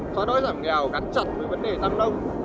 xóa đói giảm nghèo gắn chặt với vấn đề tăm nông